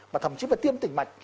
mà thậm chí mà tiêm tỉnh mạch